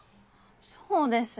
そうです。